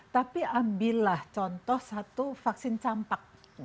tapi ambillah contoh satu vaksin campak